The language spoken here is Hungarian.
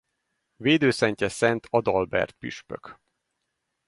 Védőszentje Szent Adalbert püspök.